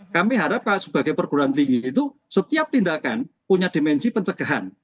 kami harap sebagai perguruan tinggi itu setiap tindakan punya dimensi pencegahan